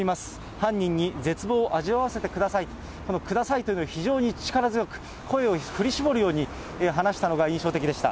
犯人に絶望を味わわせてくださいと、このくださいというのに、非常に力強く、声を振り絞るように話したのが印象的でした。